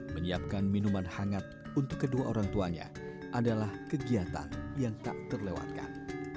menyiapkan minuman hangat untuk kedua orang tuanya adalah kegiatan yang tak terlewatkan